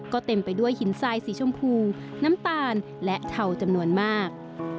ก็เต็มไปด้วยหินทรายสีชมพูน้ำตาลและเทาจำนวนมาก